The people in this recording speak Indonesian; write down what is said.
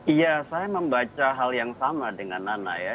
iya saya membaca hal yang sama dengan nana ya